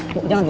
bu jangan bu